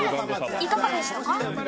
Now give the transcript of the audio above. いかがでしたか？